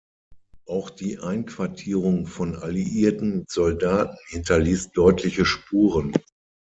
Auch die Einquartierung von alliierten Soldaten hinterließ deutliche Spuren.